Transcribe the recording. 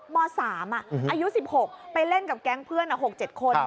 ม๓อายุ๑๖ไปเล่นกับแก๊งเพื่อน๖๗คน